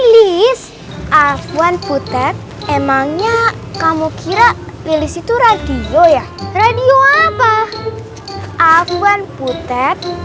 bis afwan putet emangnya kamu kira lili situ radio ya radio apa afwan putet